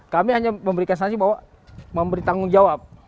kami hanya memberikan sanksi bahwa memberi tanggung jawab